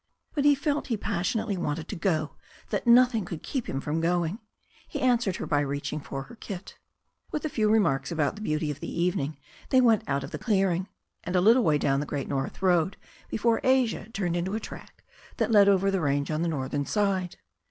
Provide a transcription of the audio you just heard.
But he felt he passionately wanted to go, that nothing could keep him from going. He answered her by reaching for her kit. With a few remarks about the beauty of the evening they went out of the clearing, and a little way down the Great North Road before Asia turned into a track that led over the range on the northern side.